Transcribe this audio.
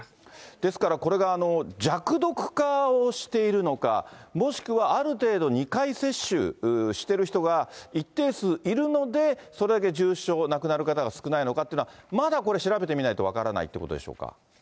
ですから、これが弱毒化をしているのか、もしくはある程度、２回接種してる人が一定数いるので、それだけ重症、亡くなる方が少ないのかっていうのは、まだこれ、調べてみないと分からないということでしょうか。